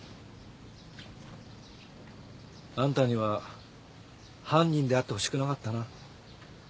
あんたには犯人であってほしくなかったな。